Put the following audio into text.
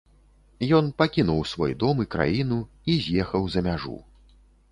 Ён пакінуў свой дом і краіну і з'ехаў за мяжу.